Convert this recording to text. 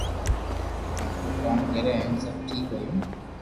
آپرو ڪوم ڪريو ھين سب ٺيڪ ھويو